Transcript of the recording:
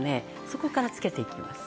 そこからつけていきます。